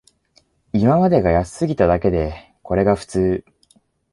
今までが安すぎただけで、これが普通